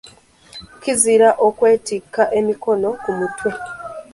Kizira okwetikka emikono ku mutwe.